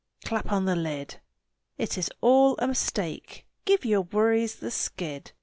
Clap on the lid! It is all a mistake! Give your worries the skid!